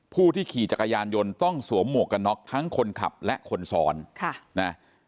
ผู้ที่ขี่จักรยานยนต์ต้องสวมหมวกกันน็อกทั้งคนขับและคนซ้อนค่ะนะ